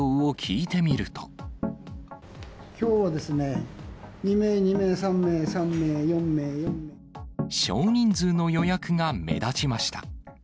きょうはですね、少人数の予約が目立ちました。